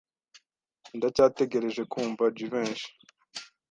Ndacyategereje kumva Jivency.